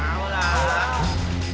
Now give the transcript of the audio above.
mau lah udah